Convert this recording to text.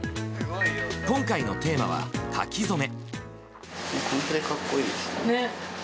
今回のテーマは書き初め。